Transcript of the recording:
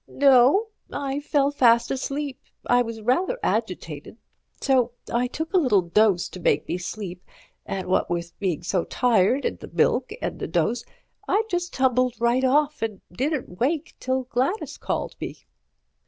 "No. I fell fast asleep. I was rather agitated, so I took a little dose to make me sleep, and what with being so tired and the milk and the dose, I just tumbled right off and didn't wake till Gladys called me."